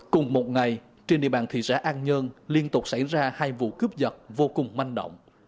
cùng một ngày trên địa bàn thị xã an nhơn liên tục xảy ra hai vụ cướp giật vô cùng manh động